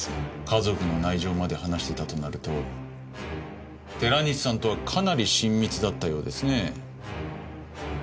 家族の内情まで話してたとなると寺西さんとはかなり親密だったようですね。